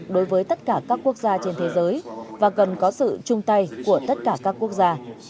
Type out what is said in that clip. đối với tất cả các quốc gia trên thế giới và cần có sự chung tay của tất cả các quốc gia